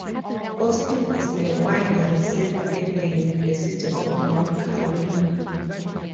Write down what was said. Austin is a wide receiver at the University of North Carolina.